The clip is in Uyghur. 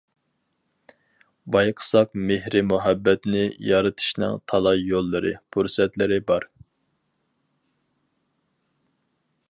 بايقىساق مېھىر-مۇھەببەتنى يارىتىشنىڭ تالاي يوللىرى، پۇرسەتلىرى بار.